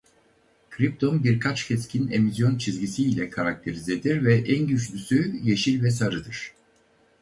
Kripton birkaç keskin emisyon çizgisi ile karakterizedir ve en güçlüsü yeşil ve sarıdır.